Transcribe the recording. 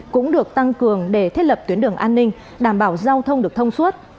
cũng được tăng cường để thiết lập tuyến đường an ninh đảm bảo giao thông được thông suốt